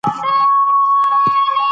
وراره د ورور زوی